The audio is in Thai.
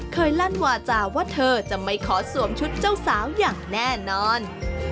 ลั่นวาจาว่าเธอจะไม่ขอสวมชุดเจ้าสาวอย่างแน่นอน